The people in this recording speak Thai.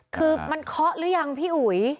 คือมันเคาะหรือยังพี่อุ๋ย